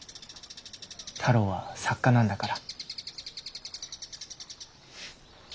太郎は作家なんだから。